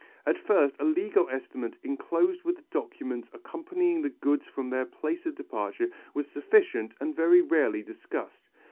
At first a legal estimate enclosed with the documents accompanying the goods from their place of departure was sufficient and very rarely discussed.